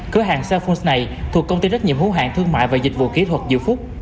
cửa hàng cellphone này thuộc công ty trách nhiệm hữu hạng thương mại và dịch vụ kỹ thuật dự phúc